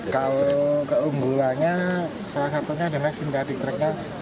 kalau keunggulannya salah satunya adalah sintetik treknya